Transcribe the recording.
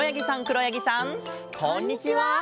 こんにちは。